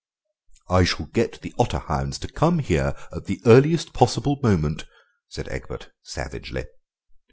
"I shall get the otter hounds to come here at the earliest possible moment," said Egbert savagely.